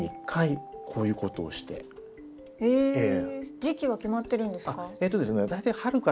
時期は決まってるんですか？